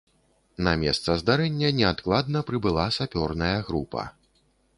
На месца здарэння неадкладна прыбыла сапёрная група.